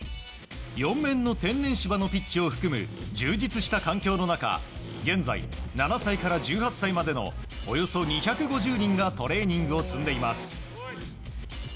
４面の天然芝のピッチを含む充実した環境の中現在、７歳から１８歳までのおよそ２５０人がトレーニングを積んでいます。